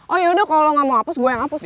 oh ya udah kalo lu gak mau apus gue yang apus